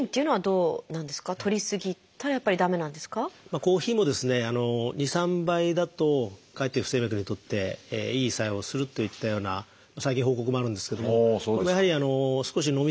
コーヒーもですね２３杯だとかえって不整脈にとっていい作用をするといったような最近報告もあるんですけどもでもやはり少し飲み過ぎるとですね